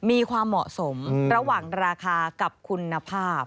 มีความเหมาะสมระหว่างราคากับคุณภาพ